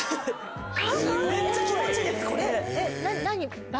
何？